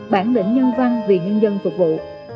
bản lĩnh nhân văn vì nhân dân phục vụ